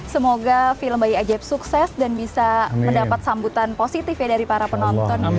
semoga film bayi ajaib sukses dan bisa mendapat sambutan positif ya dari para penonton